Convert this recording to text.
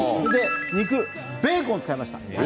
ベーコンを使いました。